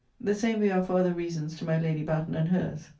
The same we are for other reasons to my Lady Batten and hers.